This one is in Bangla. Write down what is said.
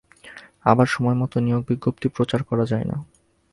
আবার সময়মতো নিয়োগ বিজ্ঞপ্তি প্রচার করা যায় না।